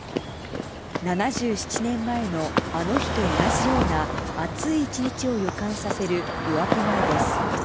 ７７年前のあの日と同じような暑い一日を予感させる夜明け前です。